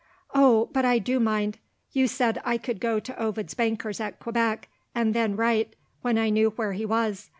"Oh, but I do mind! You said I could go to Ovid's bankers at Quebec, and then write when I knew where he was.